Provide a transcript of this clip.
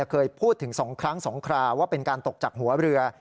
เคยพูดถึง๒ครั้ง๒คราว่าเป็นการตกจากหัวเรือ